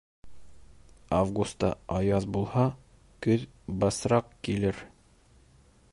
Августа аяҙ булһа, көҙ бысраҡ килер.